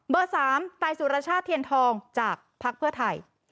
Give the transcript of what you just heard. เบอร์สามไต้สุรชาติเทียนทองจากพักเพื่อไทย